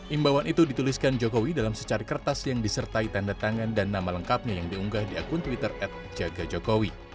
imbauan itu dituliskan jokowi dalam secari kertas yang disertai tanda tangan dan nama lengkapnya yang diunggah di akun twitter at jaga jokowi